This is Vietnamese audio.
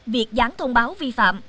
việc dán thông báo vi phạm